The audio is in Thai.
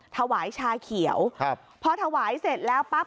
ถวายชาเขียวครับเพราะถวายเสร็จแล้วปั๊บ